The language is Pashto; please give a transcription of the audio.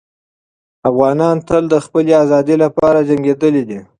افغانان تل د خپلې ازادۍ لپاره جنګېدلي دي.